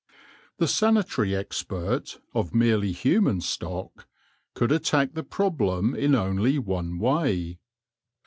The sanitary expert, of merely human stock, could attack the problem in only one way.